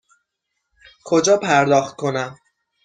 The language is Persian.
کجا پرداخت کنم؟